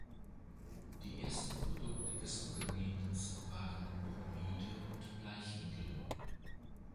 Die ersten Produkte des Unternehmens waren Bromide und Bleichmittel.